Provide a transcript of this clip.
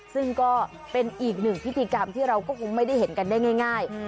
ซึ่งก็เป็นอีกหนึ่งพิธีกรรมที่เราก็คงไม่ได้เห็นกันได้ง่าย